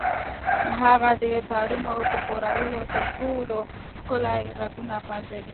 هغه د تارونو په ښورولو تر ټولو ښکلي غږونه پنځوي